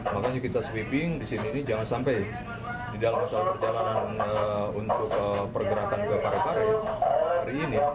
makanya kita sweeping di sini ini jangan sampai di dalam soal perjalanan untuk pergerakan ke parepare hari ini